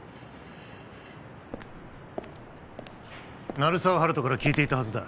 鳴沢温人から聞いていたはずだ